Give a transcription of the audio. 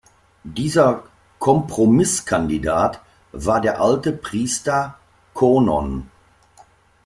Dieser Kompromisskandidat war der alte Priester Konon.